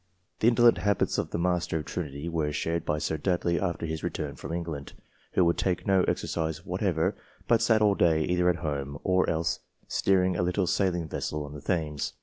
The indolent habits of the Master of Trinity were shared by Sir Dudley after his return to England, who would take no exercise what ever, but sat all day either at home, or else steering a little sailing vessel on the Thames.